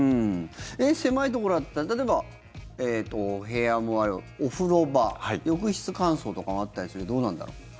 狭いところだったら例えばお部屋もあればお風呂場浴室乾燥とかもあったりするけどどうなんだろう？